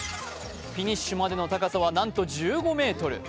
フィニッシュまでの高さはなんと１５ｍ。